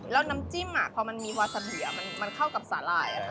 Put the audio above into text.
แล้วน้ำจิ้มพอมันมีวาซาเบียมันเข้ากับสาหร่าย